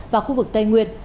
và khu vực tây nguyên